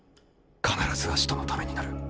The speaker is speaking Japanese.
必ずアシトのためになる。